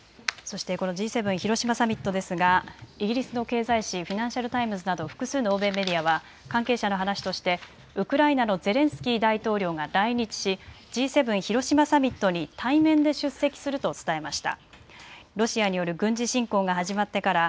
そしてこのＧ７広島サミットですがイギリスの経済紙、フィナンシャル・タイムズなど複数の欧米メディアは関係者の話としてウクライナのゼレンスキー大統領が来日しＧ７広島サミットに対面で出席すると伝えました。